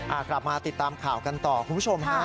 กลับมาติดตามข่าวกันต่อคุณผู้ชมฮะ